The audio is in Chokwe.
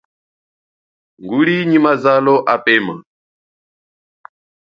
Nguli nyi mazalo apema.